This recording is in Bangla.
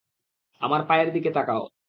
আমার পায়ের দিকে তাকাও।